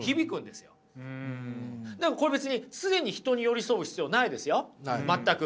でもこれ別に常に人に寄り添う必要ないですよ全く。